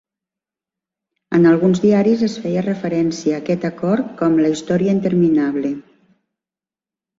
En alguns diaris es feia referència a aquest acord com "la història interminable".